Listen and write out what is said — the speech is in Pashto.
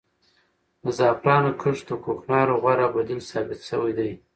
د زعفرانو کښت د کوکنارو غوره بدیل ثابت شوی دی.